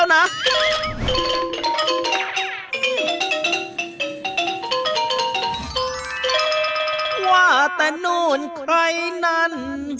ว่าแต่นู่นใครนั้น